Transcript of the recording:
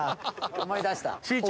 思い出した。